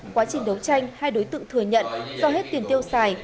quá trình đấu tranh hai đối tượng thừa nhận do hết tiền tiêu xài